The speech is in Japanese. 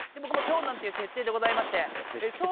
僕も長男っていう設定でございまして。